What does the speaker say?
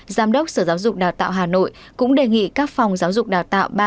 giám đốc sở giáo dục đào tạo hà nội cũng đề nghị các phòng giáo dục đào tạo